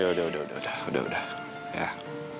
udah udah udah